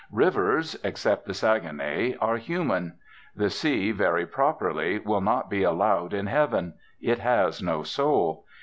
Rivers (except the Saguenay) are human. The sea, very properly, will not be allowed in heaven. It has no soul.